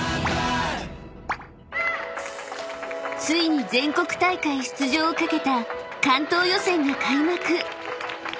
［ついに全国大会出場を懸けた関東予選が開幕］